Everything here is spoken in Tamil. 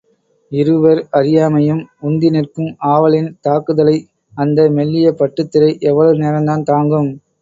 இருவர் அறியாமையும் உந்தி நிற்கும் ஆவலின் தாக்குதலை அந்த மெல்லிய பட்டுத்திரை எவ்வளவு நேரந்தான் தாங்கும்?